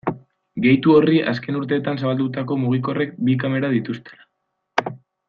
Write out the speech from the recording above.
Gehitu horri azken urteetan zabaldutako mugikorrek bi kamera dituztela.